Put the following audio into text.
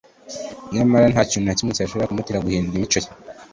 Nyamara nta kintu na kimwe cyashoboraga kumutera guhindura imico ye